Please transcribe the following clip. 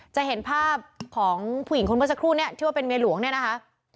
จะเห็นภาพของผู้หญิงคนเมื่อสักครู่เนี่ยที่ว่าเป็นเมียหลวงเนี่ยนะคะ